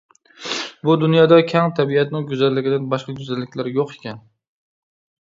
بۇ دۇنيادا كەڭ تەبىئەتنىڭ گۈزەللىكىدىن باشقا گۈزەللىكلەر يوق ئىكەن.